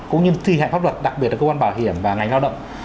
cũng như thi hành pháp luật đặc biệt là cơ quan bảo hiểm và ngành lao động